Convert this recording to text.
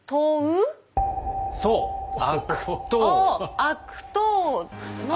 悪党の。